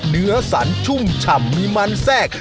เนื้อสันชุ่มฉ่ำมีมันแทรก